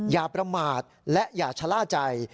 อย่าประมาทและอย่าชะล่าใจ